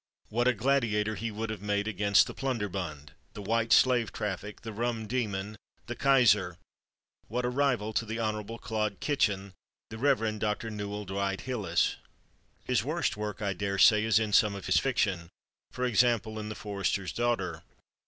What a gladiator he would have made against the Plunderbund, the White Slave Traffic, the Rum Demon, the Kaiser! What a rival to the Hon. Claude Kitchin, the Rev. Dr. Newell Dwight Hillis! His worst work, I daresay, is in some of his fiction—for example, in "The Forester's Daughter."